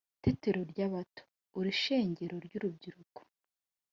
tetero ry' abato uri shengero ry' urubyiruko,